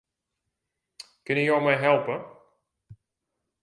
Kinne jo my helpe?